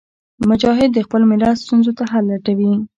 مجاهد د خپل ملت ستونزو ته حل لټوي.